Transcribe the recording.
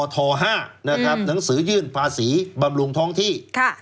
หนังสือยื่นภาษีบำรุงท้องที่